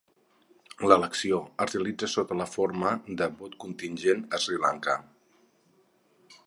L'elecció es realitza sota la forma de vot contingent a Sri Lanka.